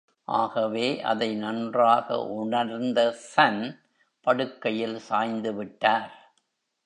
ஆகவே அதை நன்றாக உணர்ந்த சன் படுக்கையில் சாய்ந்துவிட்டார்.